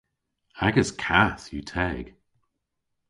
Agas kath yw teg.